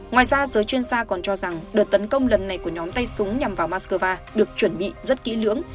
ngoài ra giới chuyên gia còn cho rằng đợt tấn công lần này của nhóm tay súng nhằm vào moscow được chuẩn bị rất kỹ lưỡng